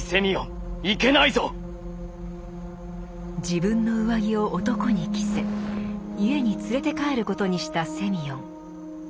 自分の上着を男に着せ家に連れて帰ることにしたセミヨン。